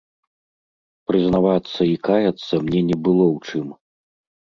Прызнавацца і каяцца мне не было ў чым.